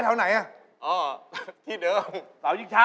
เทียบถั่วจิ้งช้า